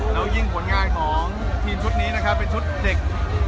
แล้วยิ่งผลงานของทีมชุดนี้นะครับเป็นชุดเด็ก